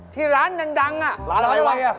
ที่ร้านดังอ่ะร้านอะไรอ่ะ